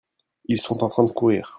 ils sont en train de courrir.